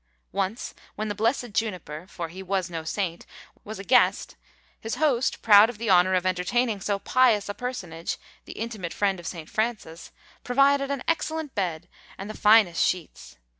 Once, when the blessed Juniper, for he was no saint, was a guest, his host, proud of the honour of entertaining so pious a personage, the intimate friend of St. Francis, provided an excellent bed, and the finest sheets.